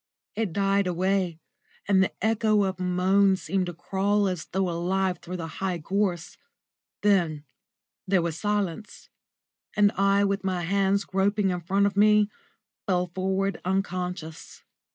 It died away, and the echo of a moan seemed to crawl as though alive through the high gorse. Then there was silence, and I, with my hands groping in front of me, fell forward unconscious.